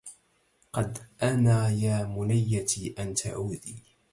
قد انى يا منيتي ان تعودي